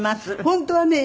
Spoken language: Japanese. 本当はね